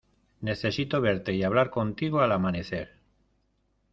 necesito verte y hablar contigo. al amanecer .